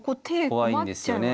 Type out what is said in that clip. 怖いんですよね。